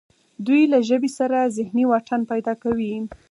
دوی له ژبې سره ذهني واټن پیدا کوي